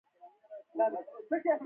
ښه نو ودې نه ویل چې چېرته ځې.